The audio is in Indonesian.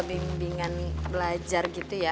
bimbingan belajar gitu ya